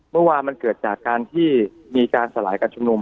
เมื่อวานมันเกิดจากการที่มีการสลายการชุมนุม